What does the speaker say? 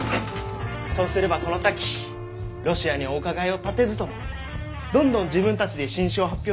そうすればこの先ロシアにお伺いを立てずともどんどん自分たちで新種を発表できるようになるだろう？